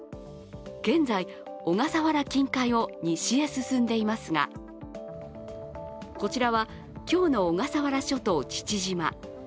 現在、小笠原近海を西へ進んでいますがこちらは今日の小笠原諸島・父島。